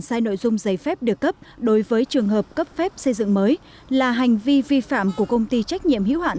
sai nội dung giấy phép được cấp đối với trường hợp cấp phép xây dựng mới là hành vi vi phạm của công ty trách nhiệm hiếu hạn